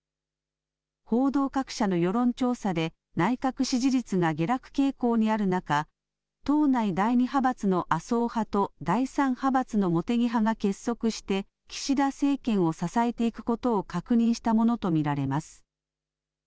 報道各社の世論調査で内閣支持率が下落傾向にある中、党内第２派閥の麻生派と第３派閥の茂木派が結束して岸田政権を支えていくことを確認したものと見られます。